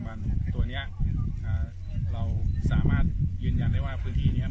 สวัสดีครับคุณผู้ชาย